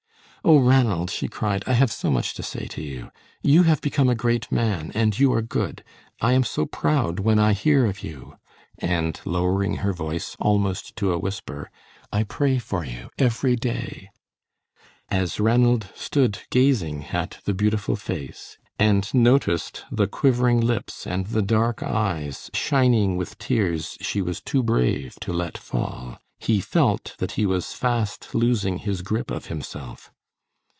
"Oh, Ranald!" she cried, "I have so much to say to you. You have become a great man, and you are good. I am so proud when I hear of you," and lowering her voice almost to a whisper, "I pray for you every day." As Ranald stood gazing at the beautiful face, and noticed the quivering lips and the dark eyes shining with tears she was too brave to let fall, he felt that he was fast losing his grip of himself.